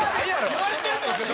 言われてるんですか？